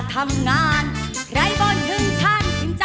คุณแอมร้อง